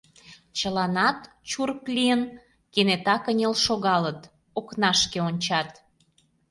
Чыланат, чурк лийын, кенета кынел шогалыт, окнашке ончат...